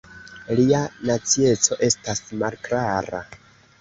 Lia nacieco estas malklara.